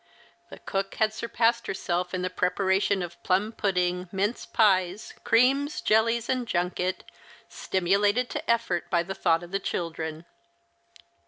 The cook had surpassed herself in the preparation of plum pudding, mince pies, creams, jellies, and junket, stimulated to effort by the thought of the children.